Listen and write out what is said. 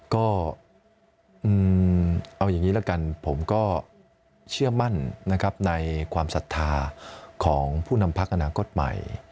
ก็เอาอย่างนี้ละกันผมก็เชื่อมั่นนะครับในความศรัทธาของผู้นำพักอนาคตใหม่